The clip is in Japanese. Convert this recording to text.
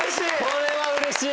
これはうれしい。